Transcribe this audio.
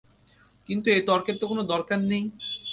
কিন্তু এ তর্কের তো কোনো দরকার নেই।